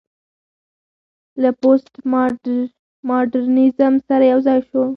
له پوسټ ماډرنيزم سره يوځاى شو